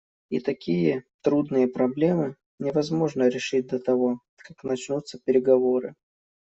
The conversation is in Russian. И такие трудные проблемы невозможно решить до того, как начнутся переговоры.